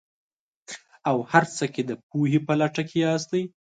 او هر څه کې د پوهې په لټه کې ياستئ.